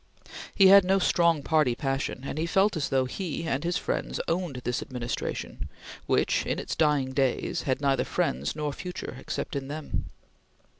He had no strong party passion, and he felt as though he and his friends owned this administration, which, in its dying days, had neither friends nor future except in them.